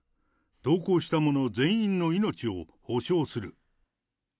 投降した者全員の命を保証する。